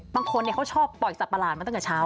บางคนเขาชอบปล่อยสัตว์ประหลาดมาตั้งแต่เช้า